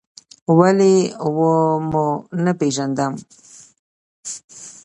ولې و مو نه پېژندم؟